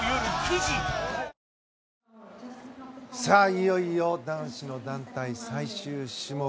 いよいよ男子の団体最終種目。